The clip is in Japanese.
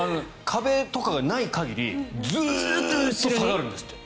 壁とかがない限りずっと下がるんですって。